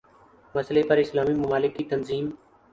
مسئلے پر اسلامی ممالک کی تنظیم